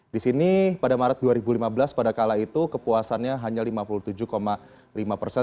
di sini pada maret dua ribu lima belas pada kala itu kepuasannya hanya lima puluh tujuh lima persen